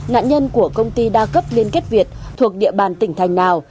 nạn nhân của công ty đa cấp liên kết việt thuộc địa bàn tỉnh thành nào